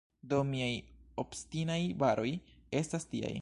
Do miaj “obstinaj baroj” estas tiaj.